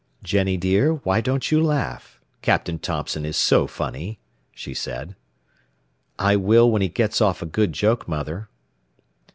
"Jennie, dear, why don't you laugh? Captain Thompson is so funny," she said. "I will when he gets off a good joke, mother."